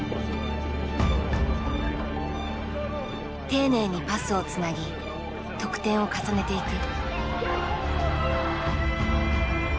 丁寧にパスをつなぎ得点を重ねていく。